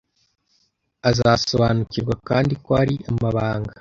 Azasobanukirwa kandi ko hari amabanga